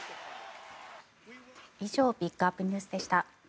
以上ピックアップＮＥＷＳでした。